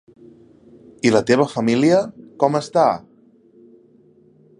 I la teva família, com està?